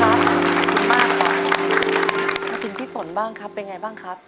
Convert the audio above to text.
มาถึงพี่ฝนบ้างครับเป็นไงบ้างครับ